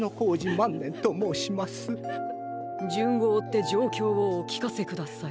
じゅんをおってじょうきょうをおきかせください。